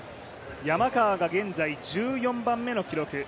山川が現在１４番目の記録。